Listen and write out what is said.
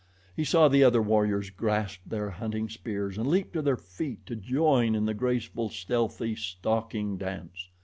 He saw the other warriors grasp their hunting spears and leap to their feet to join in the graceful, stealthy "stalking dance."